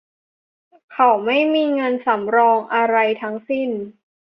เขาไม่มีเงินสำรองอะไรทั้งสิ้น